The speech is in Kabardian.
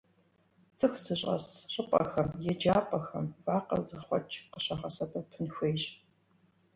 ЦӀыху зыщӀэс щӀыпӀэхэм, еджапӀэхэм вакъэ зэхъуэкӀ къыщыгъэсэбэпын хуейщ.